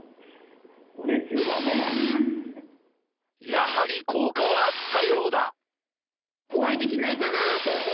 やはり効果はあったようだ。